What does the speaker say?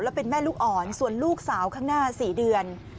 แล้วเป็นแม่ลูกอ่อนส่วนลูกสาวข้างหน้า๔เดือน